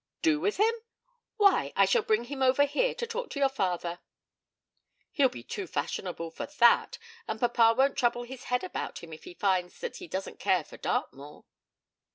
'Do with him? Why, I shall bring him over here to talk to your father.' 'He'll be too fashionable for that, and papa won't trouble his head about him if he finds that he doesn't care for Dartmoor.'